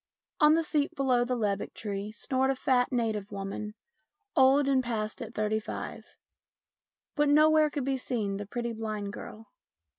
On the seat below the lebbek tree snored a fat native woman, old and past at thirty five. But nowhere could be seen the pretty blind girl.